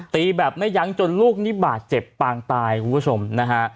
ตีแบบไม่ยั้งจนลูกนี่บาดเจ็บปางตายคุณผู้ชมนะฮะ